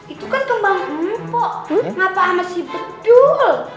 itu kan bang umpok ngapa sama si bedul